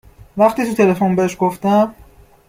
وقتی تو تلفن بهش گفتم